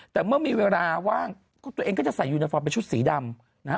แต่เมื่อมีเวลาว่างตัวเองก็จะใส่ยูเนฟอร์มเป็นชุดสีดำนะฮะ